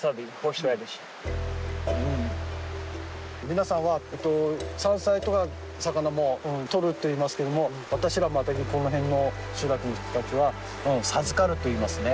皆さんは山菜とか魚も「とる」って言いますけども私らマタギこの辺の集落の人たちは「授かる」と言いますね。